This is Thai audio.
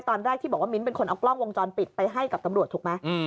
ตอนแรกที่บอกว่ามิ้นเป็นคนเอากล้องวงจรปิดไปให้กับตำรวจถูกไหม